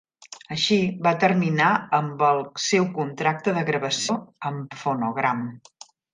Així, va terminar amb el seu contracte de gravació amb Phonogram.